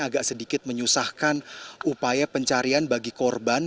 agak sedikit menyusahkan upaya pencarian bagi korban